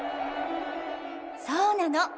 そうなの。